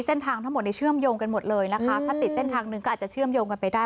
เส้นทางทั้งหมดในเชื่อมโยงกันหมดเลยนะคะถ้าติดเส้นทางหนึ่งก็อาจจะเชื่อมโยงกันไปได้